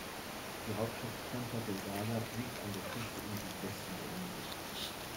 Die Hauptstadt Ponta Delgada liegt an der Küste im Südwesten der Insel.